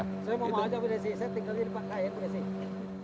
saya mau mengajak pak saya tinggal di rumah kaya pak ya